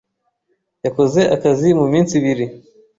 Yakoze akazi muminsi ibiri.